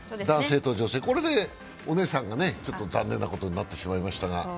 男性と女性、これでお姉さんがちょっと残念なことになってしまいましたが。